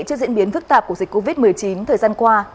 trước diễn biến phức tạp của dịch covid một mươi chín thời gian qua